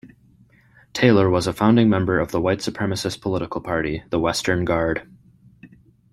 Taylor was a founding member of the white supremacist political party, the Western Guard.